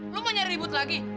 lo mau nyari ribut lagi